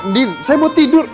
din saya mau tidur